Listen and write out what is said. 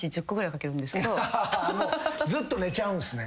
もうずっと寝ちゃうんすね。